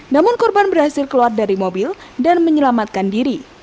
namun korban berhasil keluar dari mobil dan menyelamatkan diri